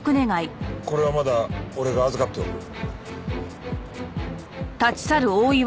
これはまだ俺が預かっておく。